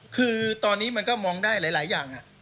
คือตอนนี้มันก็มองได้หลายอย่าง